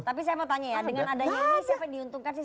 tapi saya mau tanya ya dengan adanya ini siapa yang diuntungkan sih